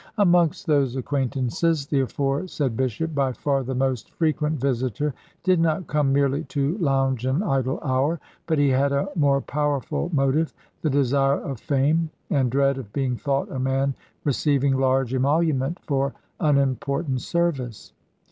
Amongst those acquaintances, the aforesaid bishop, by far the most frequent visitor, did not come merely to lounge an idle hour, but he had a more powerful motive; the desire of fame, and dread of being thought a man receiving large emolument for unimportant service.